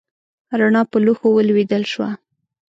رڼا په لوښو ولیدل شوه.